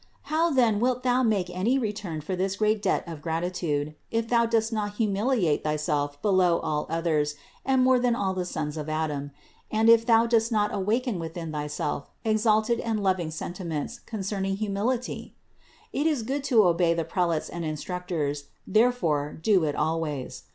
How then wilt thou make any return for this great debt of gratitude if thou dost not humiliate thyself below all others and more than all the sons of Adam; and if thou dost not awaken within thyself exalted and loving sentiments concerning humility? It is good to obey the prelates and instruc tors, therefore do it always.